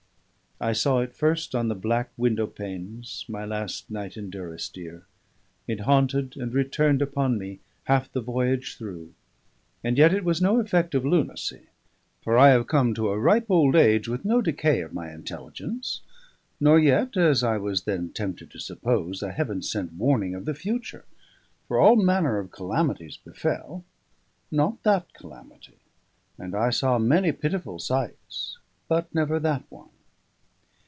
I saw it first on the black window panes, my last night in Durrisdeer; it haunted and returned upon me half the voyage through; and yet it was no effect of lunacy, for I have come to a ripe old age with no decay of my intelligence; nor yet (as I was then tempted to suppose) a heaven sent warning of the future, for all manner of calamities befell, not that calamity and I saw many pitiful sights, but never that one.